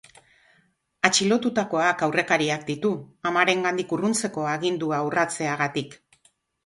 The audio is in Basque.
Atxilotutakoak aurrekariak ditu, amarengandik urruntzeko agindua urratzeagatik.